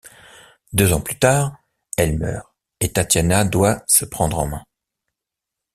Deux ans plus tard, elle meurt et Tatiana doit se prendre en main.